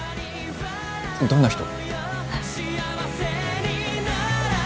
どんな人？